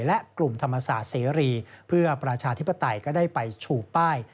และกลุ่มธรรมศาสตร์เสรีเพื่อประชาธิปไตยก็ได้ไปชูป้าย